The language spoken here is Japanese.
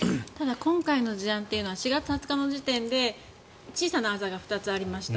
今回の事案というのは４月２０日の時点で小さなあざが２つありました。